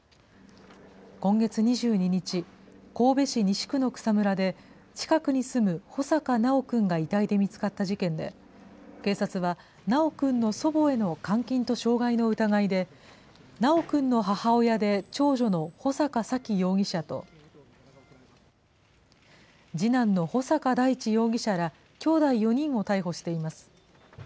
今月２２日、神戸市西区の草むらで、近くに住む穂坂修くんが遺体で見つかった事件で、警察は修くんの祖母への監禁と傷害の疑いで、修くんの母親で長女の穂坂沙喜容疑者と、次男の穂坂大地容疑者ら、きょうだい４人を逮捕しています。